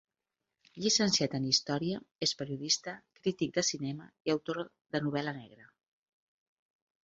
Llicenciat en història, és periodista, crític de cinema i autor de novel·la negra.